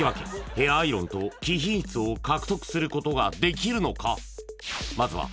ヘアアイロンと貴賓室を獲得することができるのか？